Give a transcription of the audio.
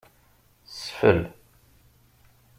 Sfel.